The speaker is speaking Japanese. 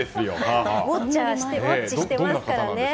ウォッチしてますからね。